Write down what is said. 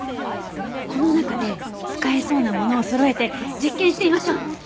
この中で使えそうなものをそろえて実験してみましょう。